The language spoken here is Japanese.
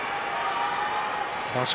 場所